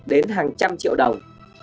đến hàng trăm triệu đồng